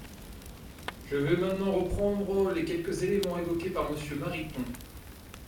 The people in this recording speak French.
Je vais maintenant reprendre les quelques éléments évoqués par Monsieur Mariton.